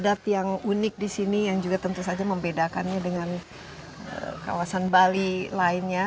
ada hal hal yang unik disini yang juga tentu saja membedakannya dengan kawasan bali lainnya